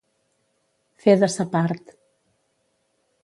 Fer de sa part.